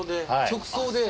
直送で？